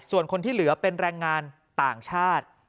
ส่วนคนที่เหลือเป็นแรงงานต่างชาติ